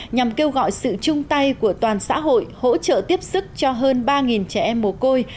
nhằm kêu gọi sự chung tay của toàn xã hội hỗ trợ tiếp sức cho hơn ba trẻ em mồ côi